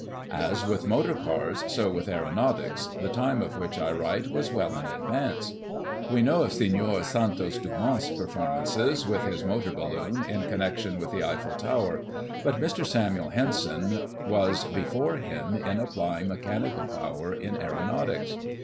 As with motor cars, so with aeronautics, the time of which I write, was well in advance. We know of Sen. Santos Dumont's performances with his motor balloon, in connection with the Eiffel Tower, but Mr. Samuel Henson was before him in applying mechanical power in aeronautics.